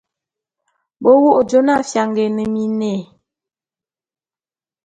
Be wo jona fianga é ne miné.